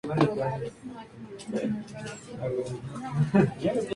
Tim Sweeney quiso hacer un juego donde la heroína fuese una mujer de acción.